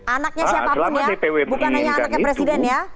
anaknya siapapun ya bukan hanya anaknya presiden ya